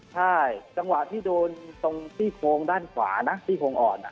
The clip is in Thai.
ใช่จังหวะที่โดนตรงซี่โครงด้านขวานะซี่โครงอ่อน